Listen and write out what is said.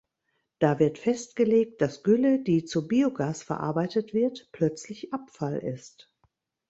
Da wird festgelegt, dass Gülle, die zu Biogas verarbeitet wird, plötzlich Abfall ist.